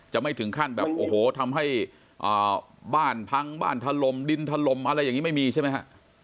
ไม่ถึงขั้นแบบโอ้โหทำให้บ้านพังบ้านถล่มดินถล่มอะไรอย่างนี้ไม่มีใช่ไหมฮะ